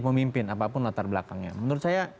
memimpin apapun latar belakangnya menurut saya